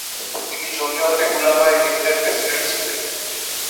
তিনি জমিয়তে উলামায়ে হিন্দের প্রেসিডেন্ট ছিলেন।